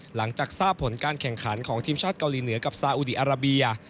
หลังจากทราบผลการแข่งขันของทีมชาติเกาหลีเหนือกับซาอุดีอาราเบีย